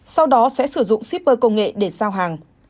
sau đó sẽ sử dụng shipper công nghệ để giao hàng